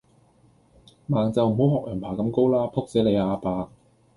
盲就唔好學人爬咁高啦，仆死你呀阿伯